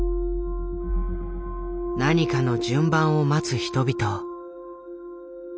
何かの順番を待つ人々。